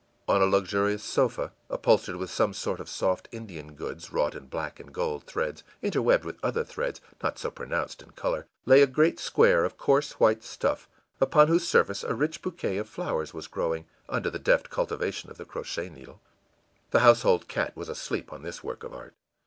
On a luxurious sofa, upholstered with some sort of soft Indian goods wrought in black and gold threads interwebbed with other threads not so pronounced in color, lay a great square of coarse white stuff, upon whose surface a rich bouquet of flowers was growing, under the deft cultivation of the crochet needle. The household cat was asleep on this work of art.